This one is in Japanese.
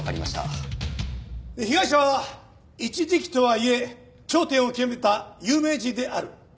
被害者は一時期とはいえ頂点を極めた有名人である。